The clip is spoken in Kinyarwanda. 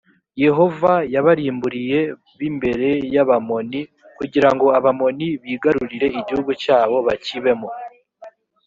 yehova yabarimburiye b imbere y abamoni kugira ngo abamoni bigarurire igihugu cyabo bakibemo